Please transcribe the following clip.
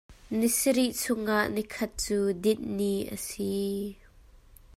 Ni sarih chungah nikhat cu dinh ni a si.